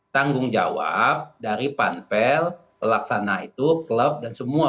tanggung jawab dari panpel pelaksana itu klub dan semua